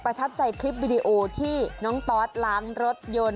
ทับใจคลิปวิดีโอที่น้องตอสล้างรถยนต์